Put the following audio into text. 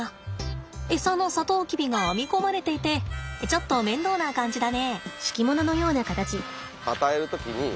エサのサトウキビが編み込まれていてちょっと面倒な感じだね。